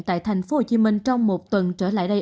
tại thành phố hồ chí minh trong một tuần trở lại đây